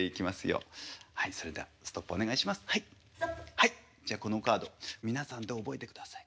はいじゃあこのカード皆さんで覚えてください